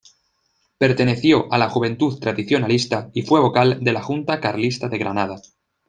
Perteneció a la Juventud Tradicionalista y fue vocal de la Junta carlista de Granada.